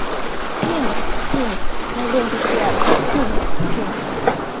"თინო!თინო!დაბრუნდი თუ არა, თინო!თინო!"